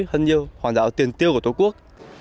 hơn nhiều hoàn đảo tiền tiêu của tổ quốc